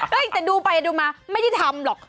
แต่ดูไปดูมาไม่ได้ทำหรอก